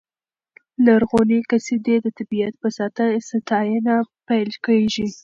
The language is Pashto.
لرغونې قصیدې د طبیعت په ستاینه پیل کېږي.